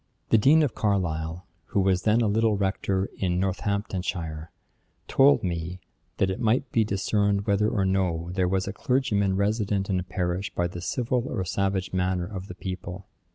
The Dean of Carlisle, who was then a little rector in Northamptonshire, told me, that it might be discerned whether or no there was a clergyman resident in a parish by the civil or savage manner of the people.